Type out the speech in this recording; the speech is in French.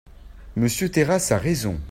Monsieur Terrasse a raison.